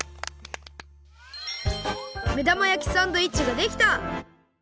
目玉やきサンドイッチができた！